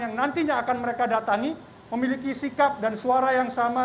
yang nantinya akan mereka datangi memiliki sikap dan suara yang sama